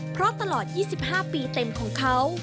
เพราะตลอด๒๕ปีเต็มของเขา